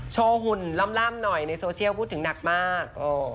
หุ่นล่ำหน่อยในโซเชียลพูดถึงหนักมาก